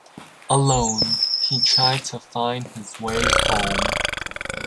Alone, he tried to find his way home.